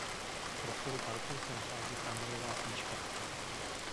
V prostoru parku se nachází tramvajová smyčka.